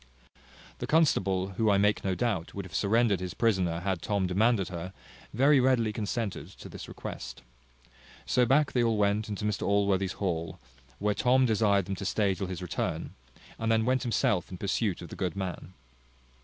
The constable, who, I make no doubt, would have surrendered his prisoner had Tom demanded her, very readily consented to this request. So back they all went into Mr Allworthy's hall; where Tom desired them to stay till his return, and then went himself in pursuit of the good man.